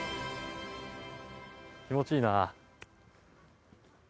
気持ちいいな。